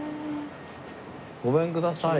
ごめんください。